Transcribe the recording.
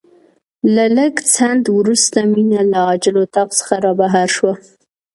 له لږ ځنډ وروسته مينه له عاجل اتاق څخه رابهر شوه.